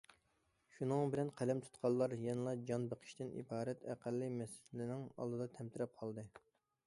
شۇنىڭ بىلەن قەلەم تۇتقانلار يەنىلا جان بېقىشتىن ئىبارەت ئەقەللىي مەسىلىنىڭ ئالدىدا تەمتىرەپ قالدى.